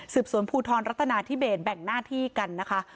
สวนภูทรรัฐนาธิเบสแบ่งหน้าที่กันนะคะ